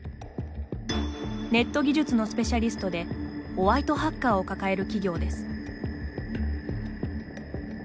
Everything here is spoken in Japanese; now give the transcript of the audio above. ネット技術のスペシャリストでホワイトハッカーを抱える企業です。